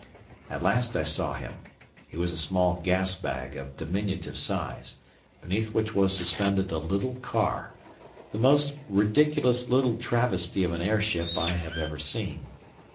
At last I saw him; he was a small gas bag of diminutive size, beneath which was suspended a little car, the most ridiculous little travesty of an airship I have ever seen.